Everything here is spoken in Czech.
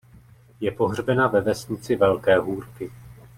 Je pohřbena ve vesnici Velké Hůrky.